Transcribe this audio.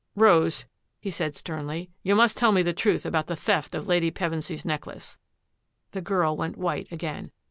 " Rose," he said sternly, " you must tell me the truth about the theft of Lady Pevensy's neck lace." The girl went white again.